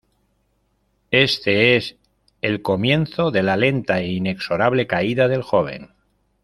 Este es el comienzo de la lenta e inexorable caída del joven.